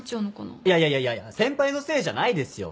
いやいやいやいや先輩のせいじゃないですよ。